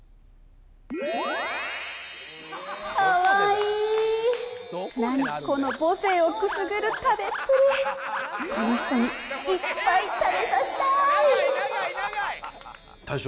かわいい何この母性をくすぐる食べっぷりこの人にいっぱい食べさせたい大将